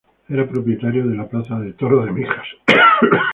Era propietario de la plaza de toros de Mijas.